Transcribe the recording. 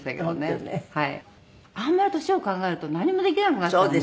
あんまり年を考えると何もできなくなっちゃうんで。